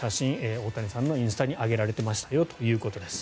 大谷さんのインスタに上げられていましたよと。